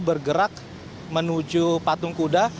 dan bergerak menuju patung kuda